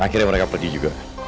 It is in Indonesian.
akhirnya mereka pergi juga